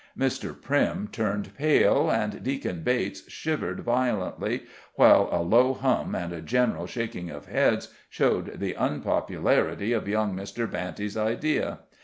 Mr. Primm turn pale and Deacon Bates shivered violently, while a low hum and a general shaking of heads showed the unpopularity of young Mr. Banty's idea.